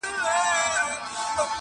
په خپله خر نه لري د بل پر آس خاندي -